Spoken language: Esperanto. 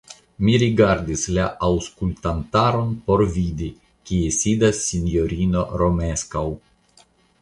Mi rigardis la aŭskultantaron por vidi, kie sidas sinjorino Romeskaŭ.